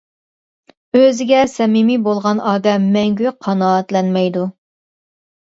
ئۆزىگە سەمىمىي بولغان ئادەم مەڭگۈ قانائەتلەنمەيدۇ.